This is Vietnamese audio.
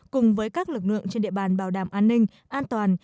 cùng với các lực lượng trên địa bàn bảo đảm an ninh an toàn